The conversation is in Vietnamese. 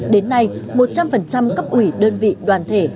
đến nay một trăm linh cấp ủy đơn vị đoàn thể